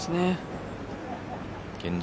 現状